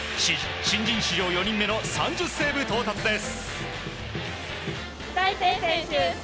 新人史上４人目の３０セーブ到達です。